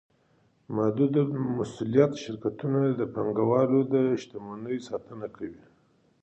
محدودالمسوولیت شرکتونه د پانګهوالو د شتمنیو ساتنه کوي.